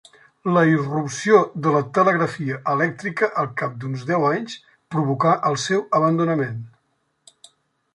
La irrupció de la telegrafia elèctrica al cap d'uns deu anys provocà el seu abandonament.